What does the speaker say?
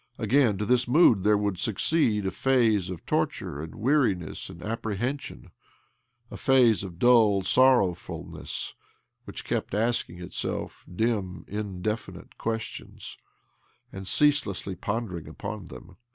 Again, to this mood there would succeed a phase of torture and weariness and appre OBLOMOV 249 hension — a phase of dull sorrowfulness which kept asking itself dim, indefinite questions and ceaselessly pondering upon them.